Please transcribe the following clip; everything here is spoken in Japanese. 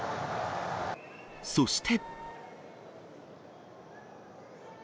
そして。